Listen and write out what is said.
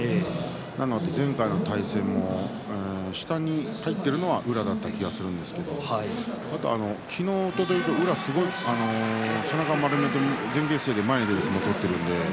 なので前回の対戦も下に入っているのは宇良だった気がするんですけど昨日、おとといと宇良は背中を丸めて前傾姿勢で前に出る相撲を取っています。